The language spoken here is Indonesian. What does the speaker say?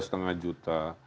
sekarang hampir lima puluh juta